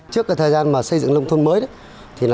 trước thời gian xây dựng nông thôn mới